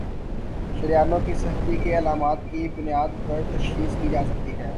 شریانوں کی سختی کی علامات کی بنیاد پر تشخیص کی جاسکتی ہے